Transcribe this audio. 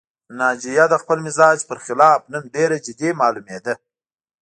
ناجیه د خپل مزاج پر خلاف نن ډېره جدي معلومېده